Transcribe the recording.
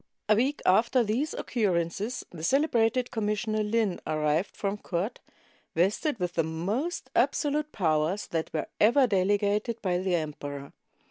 A week after these occurrences the celebrated Com missioner Lin arrived from court, vested with the most absolute powers that were ever delegated by the emperor.